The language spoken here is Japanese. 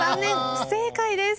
不正解です。